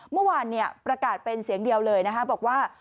เมื่อวานประกาศเป็นเสียงเดียวเลยนะคะบอกว่า